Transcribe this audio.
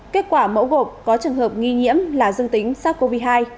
kết quả mẫu gộp có trường hợp nghi nhiễm là dương tính sars cov hai